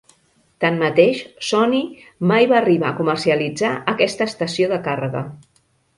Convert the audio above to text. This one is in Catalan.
Tanmateix, Sony mai va arribar a comercialitzar aquesta estació de càrrega.